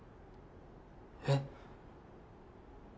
えっ？